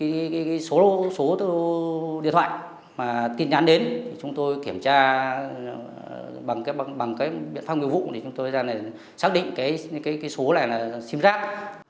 thì cái số điện thoại mà tin nhắn đến thì chúng tôi kiểm tra bằng cái biện pháp nguyên vụ thì chúng tôi ra này xác định cái số này là xin rác